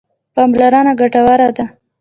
پاملرنه ګټوره ده.